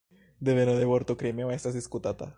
Deveno de vorto "Krimeo" estas diskutata.